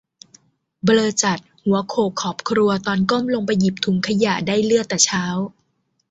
เบลอจัด หัวโขกขอบครัวตอนก้มลมไปหยิบถุงขยะ ได้เลือดแต่เช้า